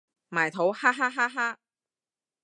埋土哈哈哈哈